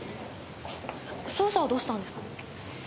捜査はどうしたんですか？